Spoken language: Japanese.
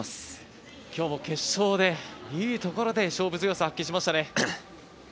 今日も決勝で、いいところで勝負強さを発揮しましたね。